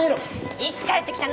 いつ帰ってきたのよ！